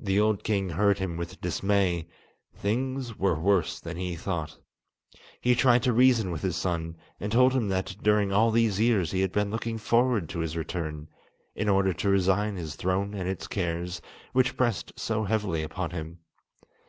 The old king heard him with dismay; things were worse than he thought. He tried to reason with his son, and told him that during all these years he had been looking forward to his return, in order to resign his throne and its cares, which pressed so heavily upon him.